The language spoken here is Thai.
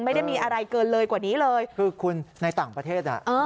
ไม่ได้มีอะไรเกินเลยกว่านี้เลยคือคุณในต่างประเทศอ่ะ